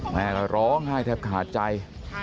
แม่ก็ร้องไห้แทบขาดใจ